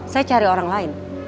saya cari orang lain